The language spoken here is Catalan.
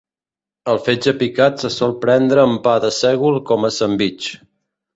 El fetge picat se sol prendre amb pa de sègol com a sandvitx.